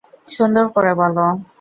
সুন্দর করে বল।